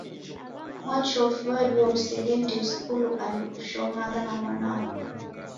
Mwachofu wadua useghendie skulu andu ushomagha na mwana wapo